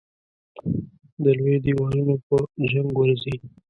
د لویو دېوانو په جنګ ورځي.